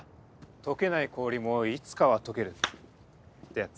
「解けない氷もいつかは解ける」ってやつ。